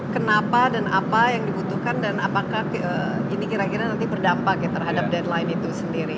kenapa dan apa yang dibutuhkan dan apakah ini kira kira nanti berdampak ya terhadap deadline itu sendiri